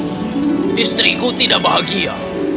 oh istriku tidak bahagia